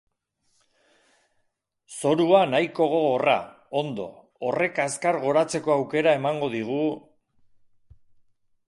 Zorua nahiko gogorra, ondo, horrek azkar goratzeko aukera emango digu...